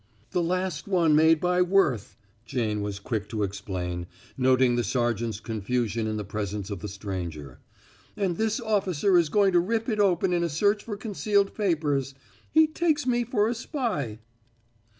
"The last one made by Worth," Jane was quick to explain, noting the sergeant's confusion in the presence of the stranger, "and this officer is going to rip it open in a search for concealed papers. He takes me for a spy."